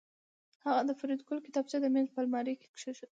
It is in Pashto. هغه د فریدګل کتابچه د میز په المارۍ کې کېښوده